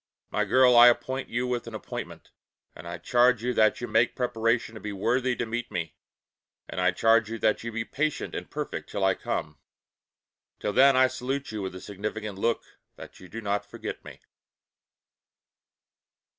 My girl I appoint with you an appointment, and I charge you that you make preparation to be worthy to meet me, And I charge you that you be patient and perfect till I come. Till then I salute you with a significant look that you do not forget me.